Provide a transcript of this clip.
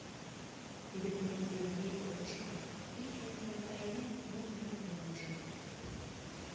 Тиде корно дене вик ошкыл, вич минутрак кайымек мыйын пӧртем ужат.